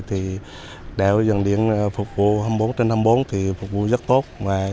thì đảo dòng điện phục vụ hai mươi bốn trên hai mươi bốn thì phục vụ rất tốt